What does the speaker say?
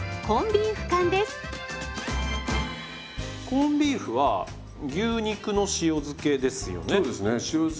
コンビーフは牛肉の塩漬けですよね？